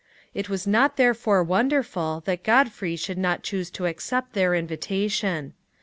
It was not therefore wonderful that Godfrey should not choose to accept their invitation.